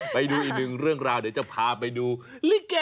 ไปดูอีกหนึ่งเรื่องราวเดี๋ยวจะพาไปดูลิเก